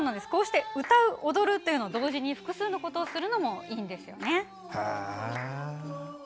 歌う、踊るという同時に複数のことをするのもいいんですね。